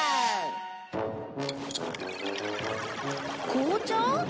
紅茶？